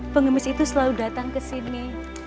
pengemis itu selalu datang ke sini